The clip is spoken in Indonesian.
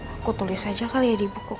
aku tulis aja kali ya di buku